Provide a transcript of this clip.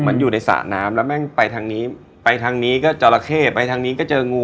อยู่ในสระน้ำแล้วแม่งไปทางนี้ไปทางนี้ก็จราเข้ไปทางนี้ก็เจองู